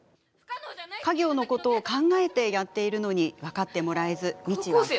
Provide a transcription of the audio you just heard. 家業のことを考えてやっているのに分かってもらえず、未知は憤慨。